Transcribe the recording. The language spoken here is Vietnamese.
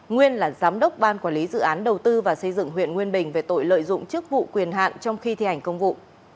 nguyên là giám đốc ban quản lý dự án đầu tư và xây dựng huyện nguyên bình về tội lợi dụng chức vụ quyền hạn trong khi thi hành công vụ